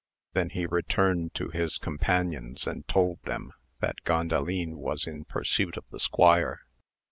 Then he returned to his companions and told them that Gandalin was in pursuit of the squire.